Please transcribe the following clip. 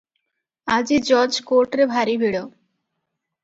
ଆଜି ଜଜ୍ କୋର୍ଟରେ ଭାରି ଭିଡ଼ ।